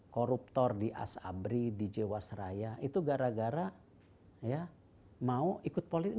koruptor di asabri di jewasraya itu gara gara ya mau ikut politik